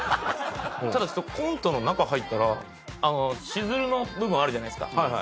ただコントの中入ったらあのしずるの部分あるじゃないっすか。